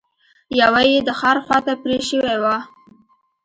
يوه يې د ښار خواته پرې شوې وه.